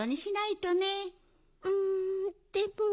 うんでも。